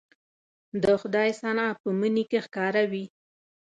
د خدای صنع په مني کې ښکاره وي